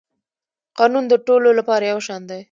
قانون د ټولو لپاره یو شان دی